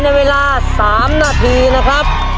ในเวลา๓นาทีนะครับ